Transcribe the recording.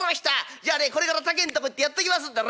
じゃあねこれから竹んとこ行ってやってきますんでね！